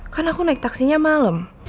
kan aku naik taksinya malam